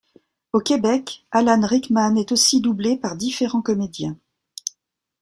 Au Québec, Alan Rickman est aussi doublé par différents comédiens.